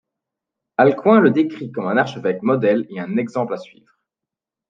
Alcuin le décrit comme un archevêque modèle et un exemple à suivre.